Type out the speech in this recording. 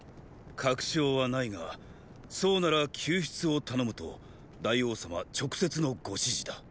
確証はないがそうなら救出を頼むと大王様直接のご指示だ。